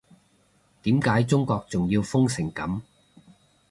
點解中國仲要封成噉